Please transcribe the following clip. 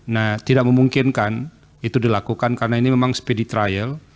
nah tidak memungkinkan itu dilakukan karena ini memang spedi trial